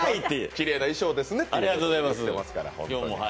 きれいな衣装ですねって言ってますから。